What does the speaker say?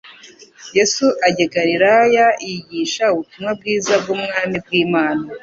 Yesu ajya i Galilaya yigisha ubutumwa bwiza bw'ubwami bw'Imana,